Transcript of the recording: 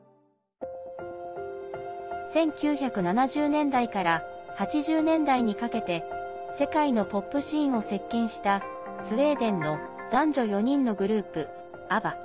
１９７０年代から８０年代にかけて世界のポップシーンを席けんしたスウェーデンの男女４人のグループ、ＡＢＢＡ。